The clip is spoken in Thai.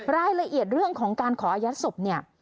รายละเอียดเรื่องของการขออัญญาติศพ